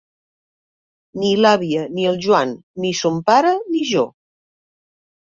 Ni l'àvia ni el Joan ni son pare ni jo.